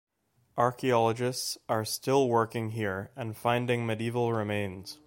Archeologists are still working here and finding medieval remains.